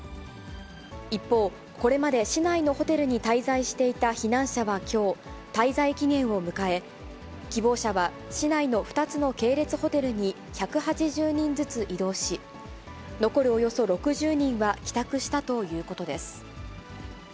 一方、これまで市内のホテルに滞在していた避難者はきょう、滞在期限を迎え、希望者は市内の２つの系列ホテルに１８０人ずつ移動し、残るおよそ６０人は帰宅したということです。